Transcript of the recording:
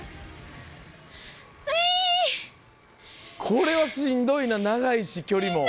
これはしんどいな長いし距離も。